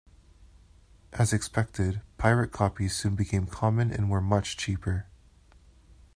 As expected, pirate copies soon became common and were much cheaper.